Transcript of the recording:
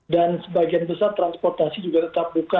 dan sebagian besar transportasi juga tetap buka